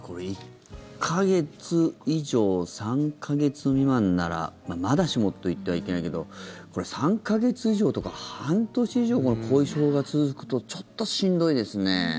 １か月以上３か月未満ならまだしもと言ってはいけないけど３か月以上とか半年以上後遺症が続くとちょっとしんどいですね。